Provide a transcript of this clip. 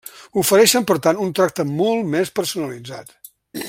Ofereixen, per tant, un tracte molt més personalitzat.